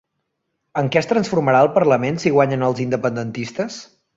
En què es transformarà el parlament si guanyen els independentistes?